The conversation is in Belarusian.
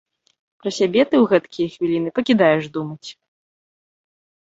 Пра сябе ты ў гэтакія хвіліны пакідаеш думаць!